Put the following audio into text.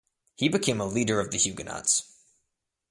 He became a leader of the Huguenots.